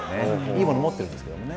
いいものを持っているんですけどもね。